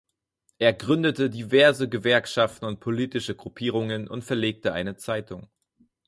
Er gründete diverse Gewerkschaften und politische Gruppierungen und verlegte eine Zeitung.